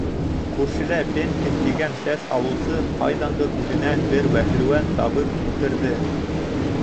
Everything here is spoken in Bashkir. Күршелә Пенкин тигән сәс алыусы ҡайҙандыр үҙенә бер бәһлеүән табып килтерҙе.